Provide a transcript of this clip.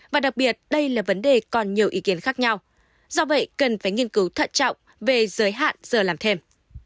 và đặc biệt đây là vấn đề còn nhiều ý kiến khác nhau do vậy cần phải nghiên cứu thận trọng về giới hạn giờ làm thêm